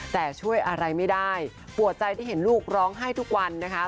แต่ช่วยอะไรไม่ได้ปวดใจที่เห็นลูกร้องไห้ทุกวันนะคะ